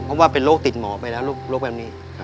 เพราะว่าเป็นโรคติดหมอไปแล้วโรคแบบนี้